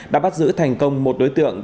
đã bắt giữ thành công một đối tượng